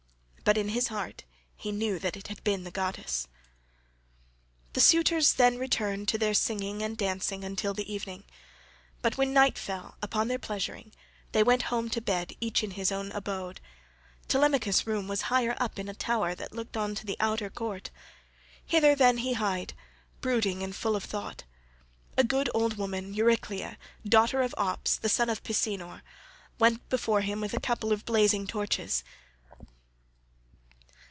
But in his heart he knew that it had been the goddess. The suitors then returned to their singing and dancing until the evening; but when night fell upon their pleasuring they went home to bed each in his own abode.12 Telemachus's room was high up in a tower13 that looked on to the outer court; hither, then, he hied, brooding and full of thought. A good old woman, Euryclea, daughter of Ops, the son of Pisenor, went before him with a couple of blazing torches.